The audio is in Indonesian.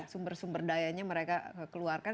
sumber sumber dayanya mereka keluarkan